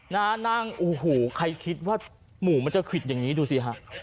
นั่งโอ้โหใครคิดว่าหมูมันจะขวิดอย่างนี้ดูสิฮะ